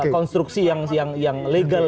konstruksi yang legal